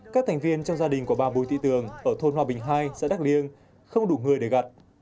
các thành viên trong gia đình của bà bùi tị tường ở thôn hoa bình hai sẽ đắc liêng không đủ người để gặt